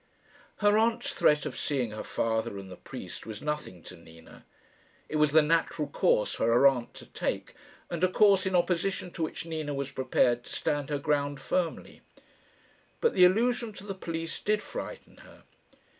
Her aunt's threat of seeing her father and the priest was nothing to Nina. It was the natural course for her aunt to take, and a course in opposition to which Nina was prepared to stand her ground firmly. But the allusion to the police did frighten her.